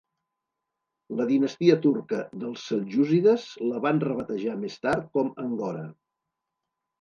La dinastia turca dels seljúcides la van rebatejar més tard com Angora.